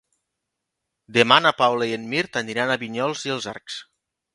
Demà na Paula i en Mirt aniran a Vinyols i els Arcs.